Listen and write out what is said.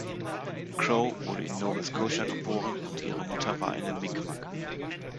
Crowe wurde in Nova Scotia geboren und ihre Mutter war eine Mi’kmaq.